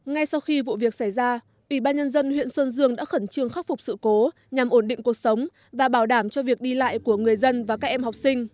ngay sau khi vụ việc xảy ra ủy ban nhân dân huyện sơn dương đã khẩn trương khắc phục sự cố nhằm ổn định cuộc sống và bảo đảm cho việc đi lại của người dân và các em học sinh